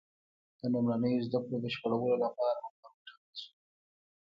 د لومړنیو زده کړو بشپړولو لپاره عمر وټاکل شو.